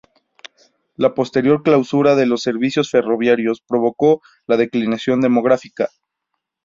La posterior clausura de los servicios ferroviarios provocó la declinación demográfica.